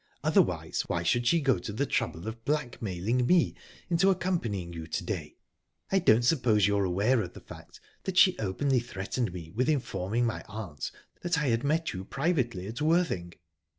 Otherwise, why should she go to the trouble of blackmailing me into accompanying you to day? I don't suppose you're aware of the fact that she openly threatened me with informing my aunt that I had met you privately at Worthing?"